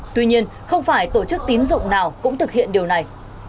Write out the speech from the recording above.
tuy nhiên không phải tổ chức tín dụng nào cũng thực hiện điều này